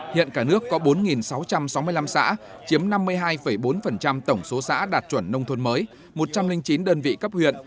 hiện cả nước có bốn sáu trăm sáu mươi năm xã chiếm năm mươi hai bốn tổng số xã đạt chuẩn nông thôn mới một trăm linh chín đơn vị cấp huyện